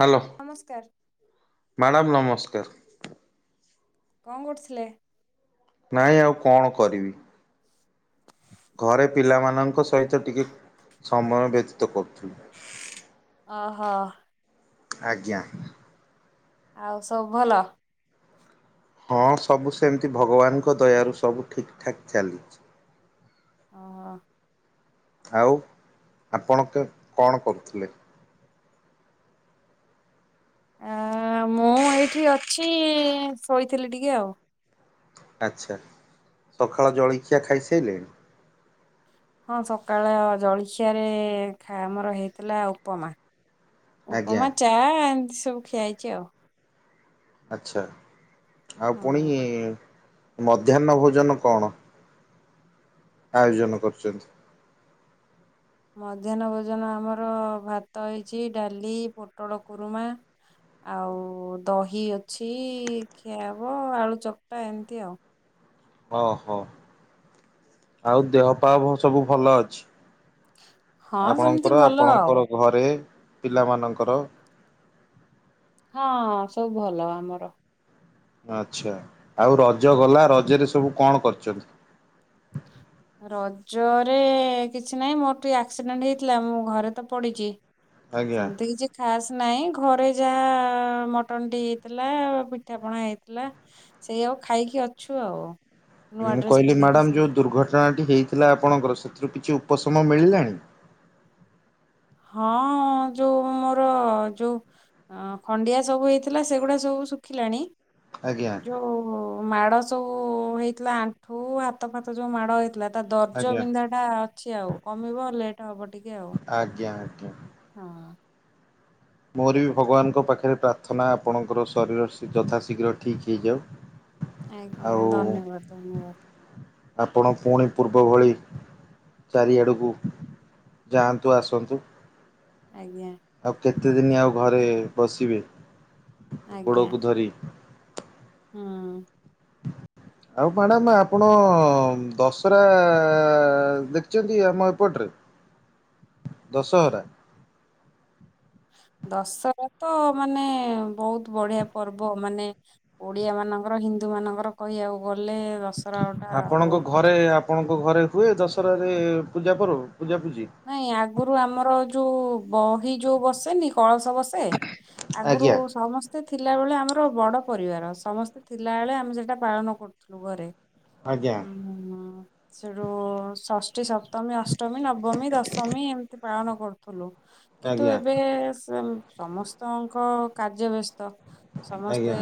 Hello. ନମସ୍କାର। Madam ନମସ୍କାର। କଣ କରୁଥିଲେ? ନାଇଁ ଆଉ କଣ କରିବି? ଘରେ ପିଲାମାନଙ୍କ ସହିତ ଟିକେ ସମୟ ବ୍ୟତୀତ କରୁଥିଲି। ଅ ହ। ଆଜ୍ଞା। ଆଉ ସବୁ ଭଲ? ହଁ ସବୁ ସେମିତି ଭଗବାନଙ୍କ ଦୟାରୁ ସବୁ ଠିକ୍ ଠାକ୍ ଚାଲିଛି। ହଁ ଆଉ ଆପଣ କେ କଣ କରୁଥିଲେ? ଆ ମୁଁ ଏଇଠି ଅଛି ଶୋଇଥିଲି ଟିକେ ଆଉ। ଆଛା ସକାଳ ଜଳଖିଆ ଖାଇସାଇଲେଣି। ହଁ ସକାଳ ଜଳଖିଆରେ ଖା ଆମର ହେଇଥିଲା ଉପ ଉପମା ଆଜ୍ଞା ଉପମା ଚା ଏମିତି ସବୁ ଖିଆ ହେଇଛି ଆଉ। ଆଚ୍ଛା ଆଉ ପୁଣି ହଁ ମଧ୍ୟାହ୍ନ ଭୋଜନ କଣ? ଆୟୋଜନ କରୁଛନ୍ତି। ମଧ୍ୟାହ୍ନ ଭୋଜନ ଆମର ଭାତ ହେଇଛି ଡାଲି ପୋଟଳ କୁରୁମା। ଆଉ ଦହି ଅଛି ଖିଆ ହେବ ଆଳୁ ଚକଟା ଏମିତି ଆଉ। ଓହୋ ଆଉ ଦେହ ପା ଭ ସବୁ ଭଲ ଅଛି? ହଁ ସେମିତି ଆପଣଙ୍କର ଭଲ ଆଉ ଆପଣଙ୍କର ଘରେ ପିଲା ମାନଙ୍କର। ହଁ ସବୁ ଭଲ ଆମର। ଆଛା ଆଉ ରଜ ଗଲା ରଜରେ ସବୁ କଣ କରିଛନ୍ତି? ରଜରେ କିଛି ନାହିଁ ମୋର ଟିକେ ଆକ୍ସିଡେଣ୍ଟ୍ ହେଇଥିଲା ମୁଁ ଘରେ ତ ପଡ଼ିଛି। ଆଜ୍ଞା। ସେମିତି କିଛି ଖାସ୍ ନାହିଁ ଘରେ ଯାହା ମଟନ ଟି ହେଇଥିଲା ପିଠା ପଣା ହେଇଥିଲା ସେଇଆକୁ ଖାଇକି ଅଛୁ ଆଉ। ନୂଆ ମୁଁ ଡ୍ରେସ କହିଲି ପିନ୍ଧିକି ମ୍ୟାଡ଼ାମ୍ ଯୋଉ ସେମିତି ଦୁର୍ଘଟଣା ଟି ହେଇଥିଲା ଆପଣଙ୍କର ସେଥିରୁ କିଛି ଉପଶମ ମିଳିଲାଣି? ହଁ ଯୋଉ ମୋର ମୋର ଯୋଉ ଅଁ ଖଣ୍ଡିଆ ସବୁ ହେଇଥିଲା ସେଗୁଡା ସବୁ ଶୁଖିଲାଣି ଆଜ୍ଞା ଯୋଉ ମାଡ ସବୁ ହେଇଥିଲା ଆଣ୍ଠୁ ହାତ ଫାତ ଯୋଉ ମାଡ ହେଇଥିଲା ତା ଦର୍ଜ ଆଜ୍ଞା ବିନ୍ଧାଟା ଅଛି ଆଉ କମିବ ଲେଟ୍ ହବ ଟିକେ ଆଉ। ଆଜ୍ଞା। ହ। ହଁ। ମୋର ବି ଭଗବାନଙ୍କ ପାଖରେ ପ୍ରାର୍ଥନା ଆପଣଙ୍କର ଶରୀର ଶୀ ଯଥାଶୀଘ୍ର ଠିକ୍ ହେଇଯାଉ। ଆଜ୍ଞା ଆଉ ଧନ୍ୟବାଦ୍ ଧନ୍ୟବାଦ୍। ଆପଣ ପୁଣି ପୂର୍ବ ଭଳି ଚାରିଆଡ଼କୁ ଯାଆନ୍ତୁ ଆସନ୍ତୁ। ଆଜ୍ଞା। ଆଉ କେତେଦିନି ଆଉ ଘରେ ବସିବେ ଆଜ୍ଞା ଗୋଡ଼କୁ ଧରି? ହୁଁ। ଆଉ ମ୍ୟାଡ଼ାମ୍ ଆପଣ ଦଶହରା ଦେଖିଛନ୍ତି ଆମ ଏପଟରେ? ଦଶହରା। ଦଶହରା ତ ମାନେ ବହୁତ ବଢିଆ ପର୍ବ ମାନେ ଓଡିଆ ମାନଙ୍କର ହିନ୍ଦୁ ମାନଙ୍କର କହିବାକୁ ଗଲେ ଦଶହରା ଗୋଟା ଆପଣଙ୍କ ବହୁତ ଘରେ ଆପଣଙ୍କ ଘରେ ହୁଏ ଦଶହରାରେ ପୂଜା ପର୍ବ ପୂଜା ପୂଜି? ନାଇଁ ଆଗୁରୁ ଆମର ଯୋଉ ବହି ଯୋଉ ବସେନି କଳସ ବସେ ସେ ଆଗୁରୁ ଆଜ୍ଞା ସମସ୍ତେ ସ୍ତେ ଥିଲାବେଳେ ଆମର ବଡ ପରିବାର ସମସ୍ତେ ଥିଲାବେଳେ ଆମେ ସେଟା ପାଳନ କରୁଥିଲୁ ଘରେ। ଆଜ୍ଞା ହୁଁ ସେଉଠୁ ଷଷ୍ଠୀ ସପ୍ତମୀ ଅଷ୍ଟମୀ ନବ ଦଶମୀ ଏମତି ପାଳନ କରୁଥିଲୁ କିନ୍ତୁ ଆଜ୍ଞା ଏବେ ସମ ସମସ୍ତଙ୍କ କାର୍ଯ୍ୟ ବ୍ୟସ୍ତ ସମସ୍ତେ ଆଜ୍ଞା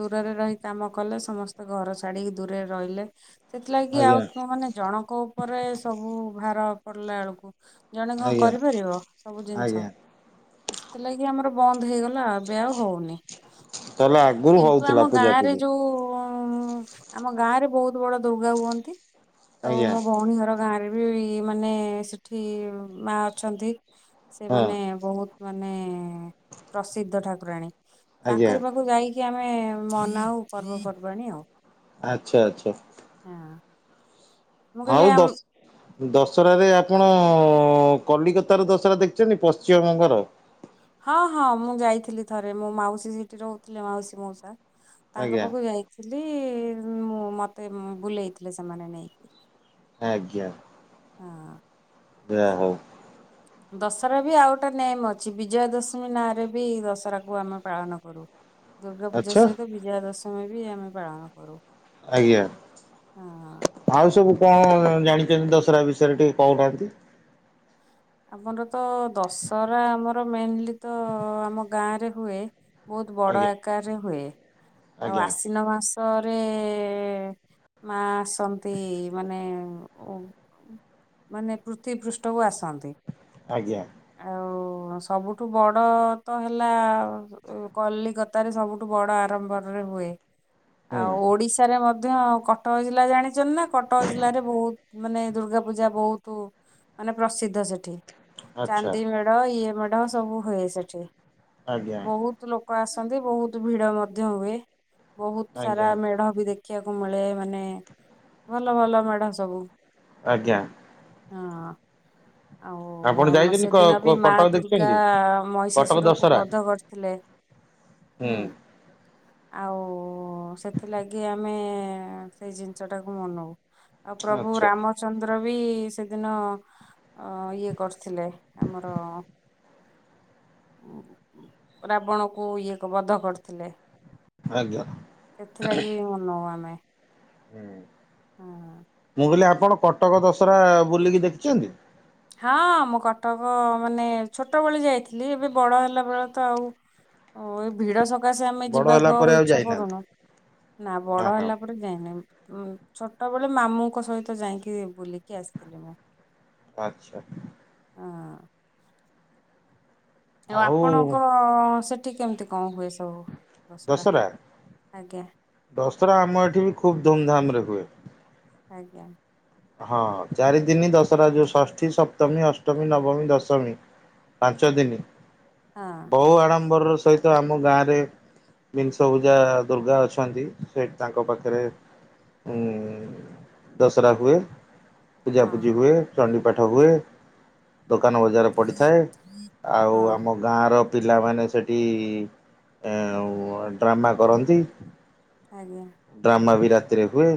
ଦୂରରେ ରହି କାମ କଲେ ସମସ୍ତେ ଘର ଛାଡିକି ଦୂରରେ ରହିଲେ ସେଥିଲାଗି ଆଉ ଆଜ୍ଞା କଁ ମାନେ ଜଣଙ୍କ ଉପରେ ସବୁ ଭାର ପଡିଲା ବେଳକୁ ଜଣେ କଣ ଆଜ୍ଞା କରିପାରିବ ସବୁ ଜିନିଷ ଆଜ୍ଞା ସେଥିଲାଗି ଆମର ବନ୍ଦ ହେଇଗଲା ଆଉ ଏବେ ଆଉ ହଉନି ତାହେଲେ ଆଗରୁ କିନ୍ତୁ ହଉଥିଲା ଆମ ଗାଁ ରେ ପୂଜାପୂଜି ଯୋଉଁ ଉଁ ଆମ ଗାଁ ରେ ବହୁତ ବଡ ଦୁର୍ଗା ହୁଅନ୍ତି ଆଉ ଆଜ୍ଞା ମୋ ଭଉଣୀ ଘର ଗାଁ ରେ ବି ମାନେ ସେଠି ମା ଅଛନ୍ତି ସେ ହଁ ମନେ ବହୁତ ମାନେ ପ୍ରସିଦ୍ଧ ଠାକୁରାଣୀ ଆଜ୍ଞା ତାଙ୍କରି ପାଖକୁ ଯାଇକି କି ଆମେ ମନାଉ ପର୍ବପର୍ବାଣୀ ଆଉ। ଆଛା ଆଛା। ହଁ। ମୁଁ କହିଲି ଆଉ ଆମ ଦଶ ଦଶହରାରେ ଆପଣ କଲିକତାରେ ଦଶହରା ଦେଖିଛନ୍ତି ପଶ୍ଚିମବଙ୍ଗର? ହଁ ହଁ ମୁଁ ଯାଇଥିଲି ଥରେ ମୋ ମାଉସୀ ସେଠି ରହୁଥିଲେ ମାଉସୀ ମଉସା ତାଙ୍କ ଆଜ୍ଞା ପାଖକୁ ଯାଇ ଥିଲି ମୁଁ ମୋତେ ଉଁ ବୁଲେଇଥିଲେ ସେମାନେ ନେଇକି। ଆଜ୍ଞା। ହଁ। ଯା ହଉ। ଦଶହରା ବି ଆଉ ଗୋଟେ ନେମ୍ ଅଛି ବୀଜୟା ଦଶମୀ ନାଁ ରେ ବି ଦଶହରାକୁ ଆମେ ପାଳନ କରୁ। ଦୁର୍ଗା ପୂଜା ଆଚ୍ଛା ସହିତ ବିଜୟା ଦଶମୀ ବି ଆମେ ପାଳନ କରୁ। ଆଜ୍ଞା। ହଁ। ଆଉ ସବୁ କଣ ଜାଣିଛନ୍ତି ଦଶହରା ବିଷୟରେ ଟିକେ କହୁନାହାନ୍ତି? ଆମର ତ ଦଶହରା ଆମର ମେନଲି ତ ଆମ ଗାଁରେ ହୁଏ। ବହୁତ ବଡ ଆଜ୍ଞା ଆକାରରେ ହୁଏ, ଆଉ ଆଜ୍ଞା ଆଶ୍ଵିନ ମାସ ରେ ମା ଆସନ୍ତି ମାନେ ମାନେ ପୃଥିବୀ ପୃଷ୍ଠକୁ ଆସନ୍ତି। ଆଜ୍ଞା। ଆଉ ସବୁଠୁ ବଡ ତ ହେଲା କଲିକତାରେ ସବୁଠୁ ବଡ ଆରମ୍ବରରେ ହୁଏ। ଆଉ ହୁଁ ଓଡିଶାରେ ମଧ୍ୟ କଟକ ଜିଲ୍ଲା ଜାଣି ନା କଟକ ଜିଲ୍ଲାରେ ବହୁତ ମାନେ ଦୁର୍ଗା ପୂଜା ବହୁତ ମାନେ ପ୍ରସିଦ୍ଧ ସେ ଆଚ୍ଛା ଚାନ୍ଦି ମେଢ ଇଏ ମେଢ ସବୁ ହୁଏ ସେଠି ଆଜ୍ଞା ବହୁତ ତୁ ଲୋକ ଆସନ୍ତି ବହୁତ ଭିଡ ମଧ୍ୟ ହୁଏ ବହୁତ ସାରା ଆଜ୍ଞା ମେଢ ବି ଦେଖ ଦେଖିବାକୁ ମିଳେ ମାନେ ଭଲ ଭଲ ମେଢ଼ ସବୁ। ଆଜ୍ଞା। ହଁ। ଆପଣ ଆଉ ଯାଇଛନ୍ତି କ ସେଦିନ ବି କ ମା କଟକ ଦୁର୍ଗା ଦେଖିଛନ୍ତି କଟକ ମହିସାଶୁରକୁ ଦଶହରା ବଧ କରିଥିଲେ। ହୁଁ ହଁ ଆଉ ସେଥିଲାଗି ଆମେ ସେଇ ଜିନିଷଟାକୁ ମନଉ। ଆଉ ପ୍ରଭୁ ଆଚ୍ଛା ରାମଚନ୍ଦ୍ର ବି ସେଦିନ ଅ ଇଏ କରିଥିଲେ ଆମର ରାବଣକୁ ଇଏ ବଧ କରିଥିଲେ। ଆଜ୍ଞା ସେଥିଲାଗି ମନଉ ଆମେ। ଉଁ ହୁଁ ମୁ କହିଲି ଆପଣ କଟକ ଦଶହରା ବୁଲିକି ଦେଖିଛନ୍ତି? ହଁ ମୁଁ କଟକ ମାନେ ଛୋଟବେଳେ ଯାଇଥିଲି ଏବେ ବଡ଼ ହେଲାବେେଳେ ତ ଆଉ ଓ ଏଇ ଭିଡ ସକାଶେ ଆମେ ବଡ ହେଲା ଯିବାକୁ ପରେ ଆଉ ଇଛା ଯାଇନାହାନ୍ତି କରୁନୁ ନା ହଁ ବଡ ହଁ ହେଲା ପରେ ଯାଇନି ଛୋଟବେେଳେ ମାମୁଙ୍କ ସହିତ ଯାଇକି ବୁଲିକି ଆସିଥିଲି ମୁଁ। ଆଚ୍ଛା। ଆଁ ଆଉ ଆପଣଙ୍କ ସେଠି କେମିତି କଣ ହୁଏ ସବୁ ଦସରା ଆଜ୍ଞା। ଦଶରା ଆମ ଏଠି ବି ଖୁବ୍ ଧୁମଧାମରେ ହୁଏ। ଆଜ୍ଞା। ହଁ ଚାରିଦିନି ଦଶରା ଯୋଉ ଷଷ୍ଠୀ ସପ୍ତମୀ ଅଷ୍ଟମୀ ନବମୀ ଦଶମୀ ପାଞ୍ଚ ଦିନି। ହଁ ବହୁ ଆଡ଼ମ୍ବରର ସହିତ ଆମ ଗାଁରେ ବିଂଶ ପୂଜା ଦୁର୍ଗା ଅଛନ୍ତି ସେଠୀ ତାଙ୍କ ପାଖରେ ଉଁ ଦଶରା ହୁଏ, ପୂଜା ହଁ ପୂଜି ହୁଏ, ଚଣ୍ଡି ପାଠ ହୁଏ, ଦୋକାନ ବଜାର ପଡ଼ିଥାଏ, ଆଉ ହଁ ଆମ ଗାଁର ପିଲାମାନେ ସେଠି ଏ ଆ ଉ ଡ୍ରାମା କରନ୍ତି। ଆଜ୍ଞା। ଡ୍ରାମା ବି ରାତିରେ ହୁଏ,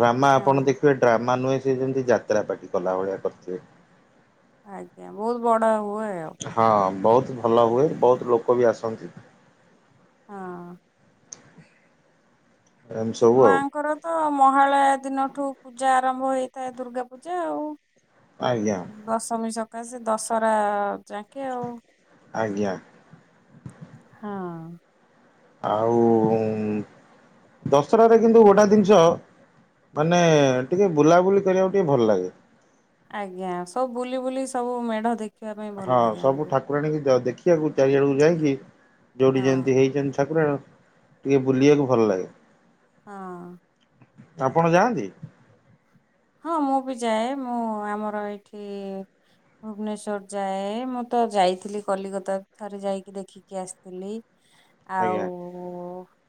ଡ୍ରାମା ଆପଣ ହଁ ଦେଖିବେ ମା ନୁହେ ସେ ଯେମିତି ଯାତ୍ରା ପାଟି କଲା ଭଳିଆ କରିଥିବେ। ଆଜ୍ଞା ବହୁତ ବଡ ହୁଏ ଆଉ। ହଁ ବହୁତ ଭଲ ହୁଏ, ବହୁତ ଲୋକ ବି ଆସନ୍ତି। ହଁ ଏମିତି ସବୁ ଆଉ। ମାଙ୍କର ତ ମହାଳୟ ଦିନଠୁ ପୂଜା ଆରମ୍ଭ ହେଇଥାଏ ଦୁର୍ଗା ପୂଜା ଆଉ। ଆଜ୍ଞା। ଦଶମୀ ସକାଶେ, ଦଶହରା ଯାକେ ଆଉ। ଆଜ୍ଞା। ହଁ। ଆଉ-ଉଁ ଦଶରାରେ କିନ୍ତୁ ଗୋଟା ଦିନିଷ ମାନେ-ଏ ଟିକେ ବୁଲାବୁଲି କରିବାକୁ ଟିକେ ଭଲ ଲାଗେ। ଆଜ୍ଞା, ସବୁ ବୁଲି ବୁଲି ସବୁ ମେଢ ଦେଖ୍ ହଁ, ସବୁ ଠାକୁରାଣିକି ଯ ଦେଖିଆକୁ ଚାରିଆଡକୁ ଯାଇକି ଯେଉଠି ହଁ। ଯେମତି ହେଇଛନ୍ତି ଠାକୁରାଣ, ଟିକେ ବୁଲିବାକୁ ଭଲ ଲାଗେ। ହଁ। ଆପଣ ଯାଆନ୍ତି? ହଁ, ମୁଁ ବି ଯାଏ। ମୁଁ ଆମର ଏଇଠି ଭୁବନେଶ୍ଵର ଯାଏ। ମୁଁ ତ ଯାଇଥିଲି, କଲିକତା ଥରେ ଯାଇକି ଦେଖି କି ଆସିଥିଲି। ଆଉ ଆଜ୍ଞା।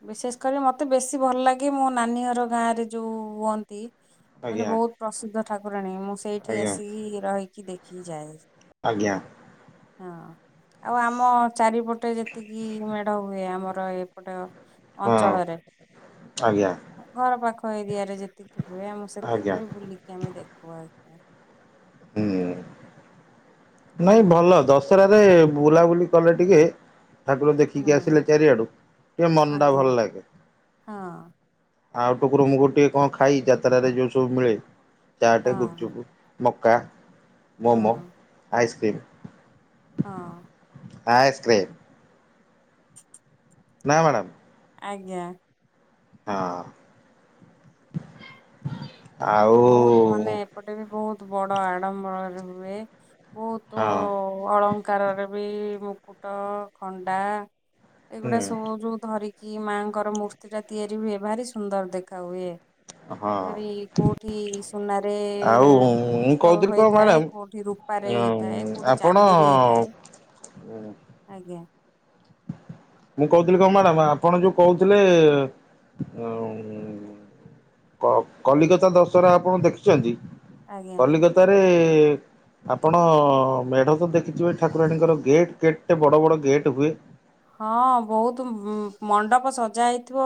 ବିଶେଷ କରି ମୋତେ ବେଶୀ ଭଲ ଲାଗେ, ମୋ ନାନୀ ଘର ଗାଁରେ ଯଉ ହୁଅନ୍ତି ମାନେ ଆଜ୍ଞା ବହୁତ ପ୍ରସିଦ୍ଧ ଠାକୁରାଣୀ। ମୁଁ ସେଇଠି ଆଜ୍ଞା ଆସିକି ରହିକି ଦେଖିକି ଯାଏ। ଆଜ୍ଞା। ହଁ, ଆଉ ଆମ ଚାରିପଟେ ଯେତିକି ମେଢ ହୁଏ, ଆମର ଏପଟ ହଁ ଅଞ୍ଚଳରେ। ଆଜ୍ଞା। ଘର ପାଖ ଏରିଆରେ ଯେତିକି ହୁଏ। ଆମ ସେ ଆଜ୍ଞା ବୁଲିକି ଆମେ ଦେଖୁ, ଆଜ୍ଞା। ହୁଁ। ନାଇଁ ହଁ ଭଲ। ଦଶହରାରେ ବୁଲାବୁଲି କଲେ ଟିକେ ଠାକୁର ଦେଖିକି ହଁ ଆସିଲେ ଚାରିଆଡୁ, ଟିକେ ମନ ଟା ଆଜ୍ଞା ଭଲ ଲାଗେ। ହଁ ଆଉ ଟକୁରୁ ମୁକୁରୁ ଟିକେ କଣ ଖାଇ, ଯାତ୍ରାରେ ଯୋଉ ସବୁ ମିଳେ, ଚାଟେ ଗୁପ୍ ହଁ ଚୁପୁ ମକା, ମମୋ, ହଁ। ଆଇସ୍କ୍ରିମ୍। ହଁ। ଆଏସ୍କ୍ର୍ରିମ୍। ନାଁ ମ୍ୟାଡ଼ାମ୍। ଆଜ୍ଞା। ହଁ, ବହୁତ ମାନେ ଆଉ-ଉ ଏପଟେ ବି ବହୁତ ବଡ ଆଡମ୍ବରରେ ହୁଏ। ବହୁତ ହଁ। ଅଳଙ୍କାରରେ ବି ମୁକୁଟ, ଖଣ୍ଡା, ଏଇଗୁଡା ହୁଁ ସବୁ ଯୋଉ ଧରିକି କି ମାଆଙ୍କର ମୂର୍ତ୍ତି ଟା ତିଆରି ହୁଏ। ଭାରି ସୁନ୍ଦର ଦେଖା ହୁଏ। ହଁ। ଭାରି କୋଉଠି ଆଉ ମୁଁ ସୁନାରେ-ଏ କହୁଥିଲି କଣ ହେଇଥାଏ। ମ୍ୟାଡ଼ାମ କୋଉଠି ରୂପାରେ ହେଇଥାଏ। ଉଁ କୋଉଠି ଆପଣ ଚାନ୍ଦିରେ ହେଇଥାଏ। ଆଜ୍ଞା। ମୁଁ କହୁଥିଲି କଣ ମ୍ୟାଡ଼ାମ୍? ଆପଣ ଯୋଉ କହୁଥିଲେ-ଏ ଉ-ଉ କ-କଲିକତା ଦଶହରା ଆପଣ ଦେଖିଛନ୍ତି। ଆଜ୍ଞା କଲିକତା ରେ-ଏ ଆପଣ ମେଢ଼ ତ ଦେଖିଥିବେ! ଠାକୁରାଣୀଙ୍କର ଗେଟ୍ ଗେଟ୍ଟେ ବଡ଼ ବଡ଼ ଗେଟ୍ ହୁଏ। ହଁ, ବହୁତ ମଣ୍ଡପ ସଜା ହେଇଥିବ।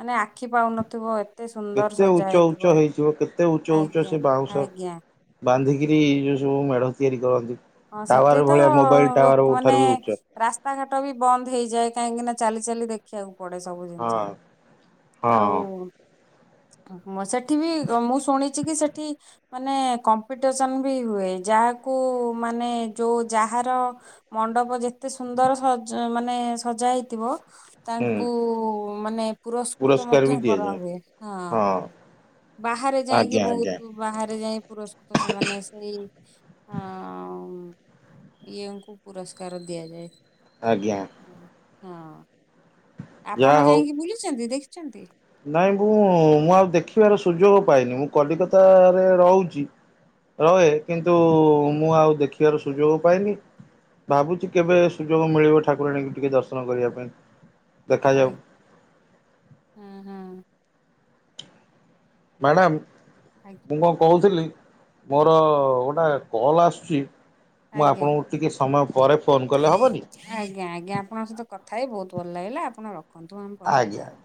ମାନେ ଆଖି ପାଉନଥିବ। ଏତେ ସୁନ୍ଦର କେତେ ସଜା ଉଚ୍ଚ ଉଚ୍ଚ ହେଇଥିବ। କେତେ ଉଚ୍ଚ ଉଚ୍ଚ ଆଜ୍ଞା, ସେ ବାଉଁଶ ଆଜ୍ଞା। ବାନ୍ଧିକିରି ଯୋଉ ସବୁ ମେଢ ତିଆରି କରନ୍ତି। ହଁ ସେଠି ଟାୱାର ତ ଭଳିଆ ମୋବାଇଲ ଟାୱାର ଲୋକମାନେ ଠାରୁ ଉଚ୍ଚ। ରାସ୍ତାଘାଟ ବି ବନ୍ଦ ହେଇଯାଏ କାହିଁକି ନା, ଚାଲି ଚାଲି ଦେଖ୍ ଖିଆକୁ ପଡେ, ସବୁ ଜିନିଷ। ହଁ ଆଉ ହଁ [unintelligible] ସେଠି ବି ମୁଁ ଶୁଣିଛି, କି ସେଠି ମାନେ କମ୍ପିଟିସେନ୍ ବି ହୁଏ। ଯାହାକୁ ମାନେ ଯୋଉ ଯାହାର-ଅ ମଣ୍ଡପ ଯେତେ ସୁନ୍ଦର ସଜ ମାନେ ସଜା ହେଇଥିବ। ହୁଁ ତାଙ୍କୁ ମାନେ ପୁରସ୍କୃତ ପୁରସ୍କାର ବି ମଧ୍ୟ ଦିଆଯାଏ କରାହୁଏ। ହଁ ବାହାରେ ଯାଇକି ଆଜ୍ଞା ଆଜ୍ଞା ବହୁତ ବାହାରେ ଯାଇ ପୁରସ୍କୃତ ସେମାନେ ସେଇ ଅ ଇଏଙ୍କୁ ପୁରସ୍କାର ଦିଆଯାଏ। ଆଜ୍ଞା। ଓ ହଁ ଯାହା ଆପଣ ହଉ ଯାଇକି ବୁଲିଛନ୍ତି ଦେଖିଛନ୍ତି। ନାଇଁ ମୁଁ ମୁଁ ଆଉ ଦେଖିବାର ସୁଯୋଗ ପାଇନି ମୁଁ କଲିକତାରେ ରହୁଛି। ରହେ କିନ୍ତୁ ମୁଁ ଆଉ ଦେଖିବାର ସୁଯୋଗ ପାଇନି। ଭାବୁଛି କେବେ ସୁଯୋଗ ମିଳିବ ଠାକୁରାଣୀଙ୍କୁ ଟିକେ ଦର୍ଶନ କରିବା ପାଇଁ ଦେଖାଯାଉ। ହୁଁ ହଁ ମ୍ୟାଡ଼ାମ। ଆଜ୍ଞ ମୁଁ କଣ କହୁଥିଲି ମୋର ଗୋଟେ କଲ୍ ଆସୁଛି ମୁଁ ଆଜ୍ଞା ଆପଣଙ୍କୁ ଟିକେ ସମୟ ପରେ ଫୋନ୍ କଲେ ହବନି ଆଜ୍ଞା ଆଜ୍ଞା ଆପଣଙ୍କ ସହିତ କଥା ହେଇ ବହୁତ ଭଲ ଲାଗିଲା ଆପଣ ରଖନ୍ତୁ ଆମ ପରେ କଥା ଆଜ୍ଞା। ହେବା।